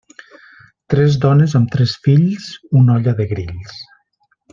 Tres dones amb tres fills, una olla de grills.